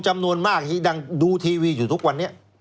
จำนวนมากที่ดังดูทีวีอยู่ทุกวันนี้